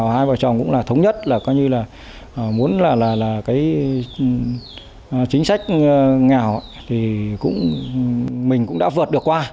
hai vợ chồng cũng là thống nhất là muốn là chính sách nghèo thì mình cũng đã vượt được qua